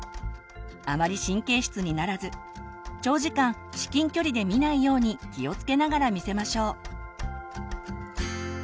あまり神経質にならず長時間至近距離で見ないように気をつけながら見せましょう。